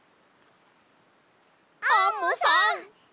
アンモさん！